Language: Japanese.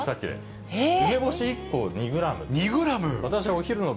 梅干し１個２グラム。